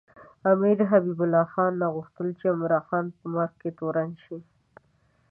امیر حبیب الله خان نه غوښتل چې د عمراخان په مرګ کې تورن شي.